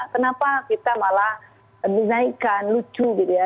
kenapa kita malah dinaikkan lucu gitu ya